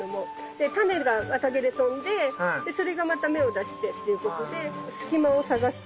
で種が綿毛で飛んでそれがまた芽を出してっていうことで隙間を探して。